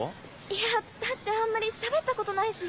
いやだってあんまり喋ったことないし。